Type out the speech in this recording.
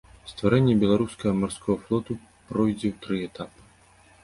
Стварэнне беларускага марскога флоту пройдзе ў тры этапы.